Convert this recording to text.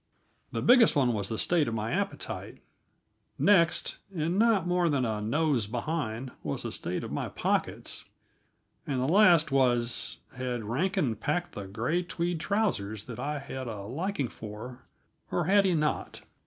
The biggest one was the state of my appetite; next, and not more than a nose behind, was the state of my pockets; and the last was, had Rankin packed the gray tweed trousers that I had a liking for, or had he not?